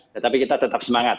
tetapi kita tetap semangat